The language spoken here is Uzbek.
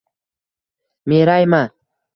Merayma!